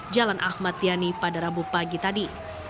jalan ahmad yani pada rabu pagi tadi